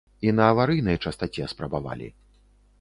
І на аварыйнай частаце спрабавалі.